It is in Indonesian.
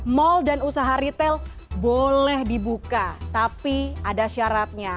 mal dan usaha retail boleh dibuka tapi ada syaratnya